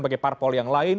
bagi parpol yang lain